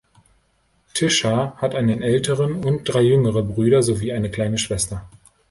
Tisha hat einen älteren und drei jüngere Brüder sowie eine kleine Schwester.